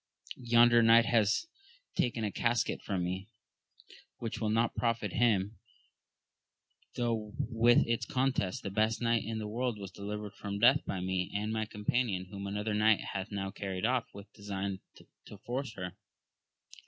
Yonder knight hath taken a casket from me, which will not profit him, though with its contents the best knight in the world was delivered from death by me and my companion, whom another knight hath now carried off with design to force her.